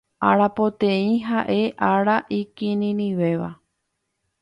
Arapoteĩ ha'e ára ikirirĩvéva.